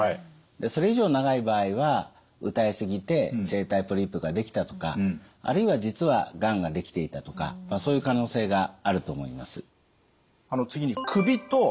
でそれ以上長い場合は歌い過ぎて声帯ポリープができたとかあるいは実はがんができていたとかそういう可能性があると思います。